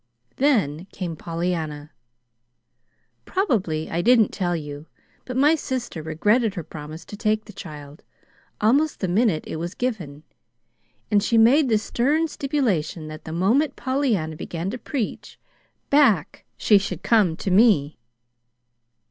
"Then came Pollyanna. Probably I didn't tell you, but my sister regretted her promise to take the child, almost the minute it was given; and she made the stern stipulation that the moment Pollyanna began to preach, back she should come to me.